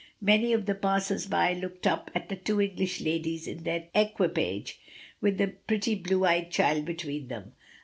Many of the passers by looked up at the two English ladies in their equipage with the pretty blue eyed child between them.